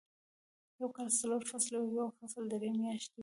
يو کال څلور فصله وي او يو فصل درې میاشتې وي.